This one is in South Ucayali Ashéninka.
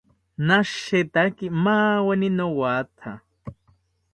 Nashetaki maaweni nowatha